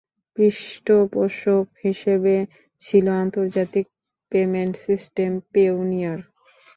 পৃষ্ঠপোষক হিসেবে ছিল আন্তর্জাতিক পেমেন্ট সিস্টেম পেওনিয়ার।